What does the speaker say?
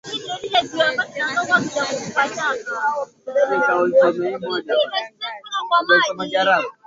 Mnyama kuwa na uteute mweupe ni dalili ya ugonjwa wa mkojo damu